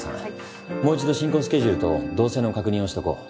もう１度進行スケジュールと動線の確認をしとこう。